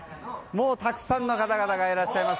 もうたくさんの方々がいらっしゃいます。